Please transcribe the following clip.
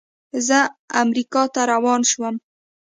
زه امریکا ته روان شوم.